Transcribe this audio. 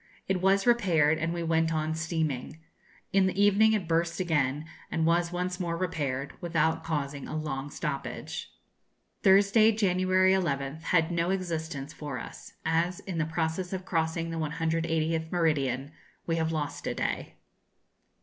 It was repaired, and we went on steaming. In the evening it burst again, and was once more repaired, without causing a long stoppage. (Thursday, January 11th, had no existence for us, as, in the process of crossing the 180th meridian, we have lost a day.)